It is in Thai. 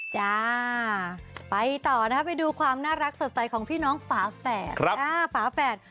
จ้าไปต่อนะครับไปดูความน่ารักสดใสของพี่น้องฝาแฝดฝาแฝด